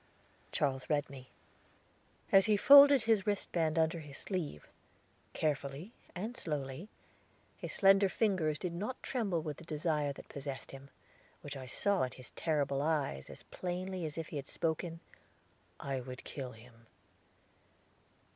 Charles read me. As he folded his wristband under his sleeve, carefully and slowly, his slender fingers did not tremble with the desire that possessed him, which I saw in his terrible eyes as plainly as if he had spoken, "I would kill him."